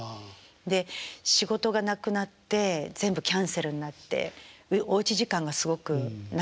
で仕事がなくなって全部キャンセルになっておうち時間がすごく長くなった時期で。